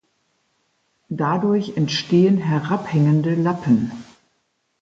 Dadurch entstehen herabhängende Lappen.